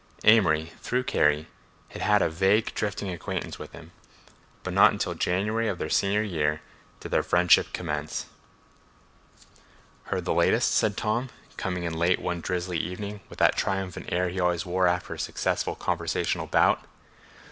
Amory, through Kerry, had had a vague drifting acquaintance with him, but not until January of senior year did their friendship commence. "Heard the latest?" said Tom, coming in late one drizzly evening with that triumphant air he always wore after a successful conversational bout.